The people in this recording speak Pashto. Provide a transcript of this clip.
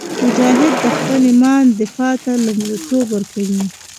مجاهد د خپل ایمان دفاع ته لومړیتوب ورکوي.